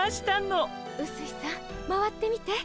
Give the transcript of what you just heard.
うすいさん回ってみて。